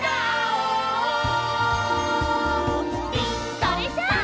それじゃあ！